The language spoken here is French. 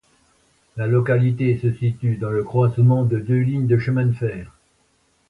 La localité se situe dans le croisement de deux lignes de chemins de fer.